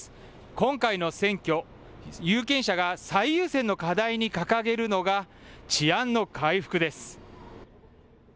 今回の選挙、有権者が最優先の課題に掲げるのが、治安の回復です。